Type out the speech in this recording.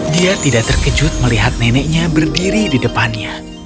dia tidak terkejut melihat neneknya berdiri di depannya